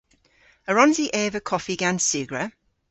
A wrons i eva koffi gans sugra?